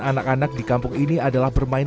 anak anak di kampung ini adalah bermain